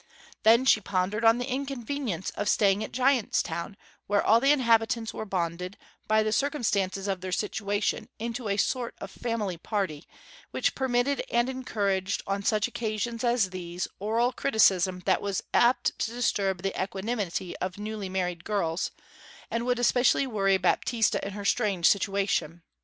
Then she pondered on the inconvenience of staying at Giant's Town, where all the inhabitants were bonded, by the circumstances of their situation, into a sort of family party, which permitted and encouraged on such occasions as these oral criticism that was apt to disturb the equanimity of newly married girls, and would especially worry Baptista in her strange situation.